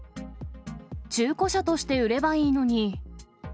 中古車として売ればいいのに。